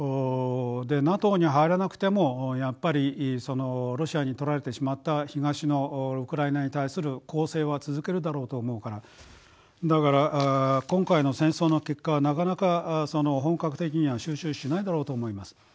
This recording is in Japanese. でＮＡＴＯに入らなくてもやっぱりそのロシアにとられてしまった東のウクライナに対する攻勢は続けるだろうと思うからだから今回の戦争の結果はなかなか本格的には収拾しないだろうと思います。